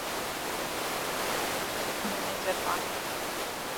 Me neceriband.